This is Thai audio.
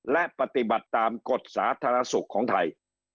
และปฏิบัติตามกฎสาธารณสุขของไทย